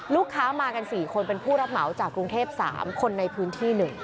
ลูกค้ามากัน๔คนเป็นผู้รับเหมาจากกรุงเทพ๓คนในพื้นที่๑